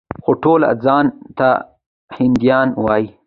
خو ټول ځان ته هندیان وايي.